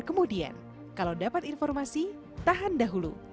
kemudian kalau dapat informasi tahan dahulu